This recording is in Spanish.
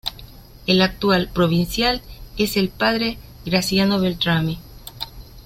El actual provincial es el Padre Graziano Beltrami.